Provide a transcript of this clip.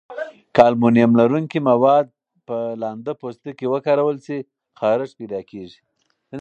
که المونیم لرونکي مواد په لنده پوستکي وکارول شي، خارښت پیدا کېږي.